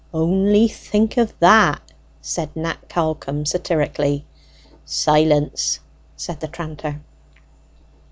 "Only think of that!" said Nat Callcome satirically. "Silence!" said the tranter.